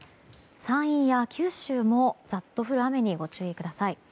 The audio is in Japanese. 山陰や九州もザッと降る雨にご注意ください。